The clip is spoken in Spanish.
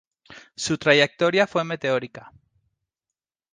Su trayectoria fue meteórica.